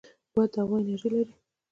باد د هوا انرژي لري